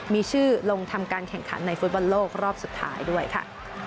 มีชื่อลงทำการแข่งขันในฟุตบอลโลกรอบสุดท้ายด้วยค่ะ